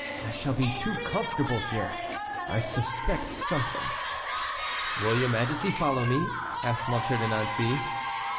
I shall be too comfortable here; I suspect something." "Will your majesty follow me?" asked Monsieur de Nancey.